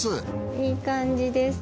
いい感じです。